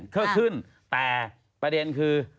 ก็ขึ้นแต่ประเด็นคือ